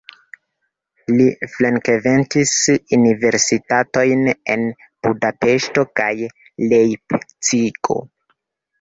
Li frekventis universitatojn en Budapeŝto kaj Lejpcigo.